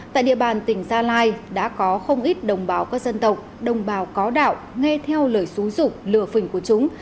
tại địa bàn tỉnh gia lai đã có không ít đồng bào các dân tộc đồng bào có đạo nghe theo lời xú dụng lừa phình của chúng